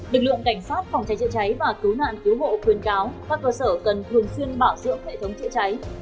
lực lượng cảnh sát phòng cháy chữa cháy và cứu nạn cứu hộ khuyên cáo các cơ sở cần thường xuyên bảo dưỡng hệ thống chữa cháy